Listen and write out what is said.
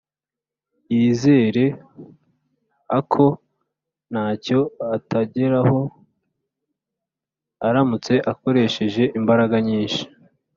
Yizereako ntacyo utageraho uramutse ukoresheje imbaraga nyinshi